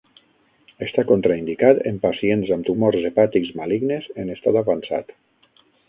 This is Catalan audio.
Està contraindicat en pacients amb tumors hepàtics malignes en estat avançat.